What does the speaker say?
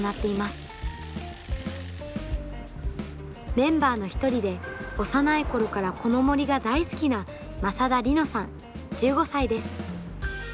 メンバーの一人で幼い頃からこの森が大好きな政田莉乃さん１５歳です。